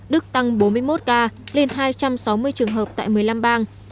đức tăng bốn mươi một ca lên hai trăm sáu mươi trường hợp tại một mươi năm bang